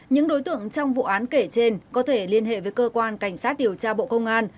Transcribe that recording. những đối tượng trong vụ án kể trên có thể liên hệ với cơ quan cảnh sát điều tra bộ công an